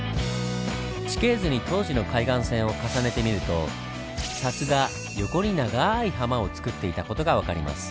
地形図に当時の海岸線を重ねてみると砂州が横に長いハマをつくっていた事が分かります。